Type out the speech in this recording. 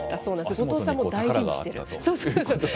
後藤さんも大事にしている。